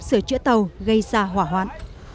sửa chữa tàu gây ra hỏa hoạn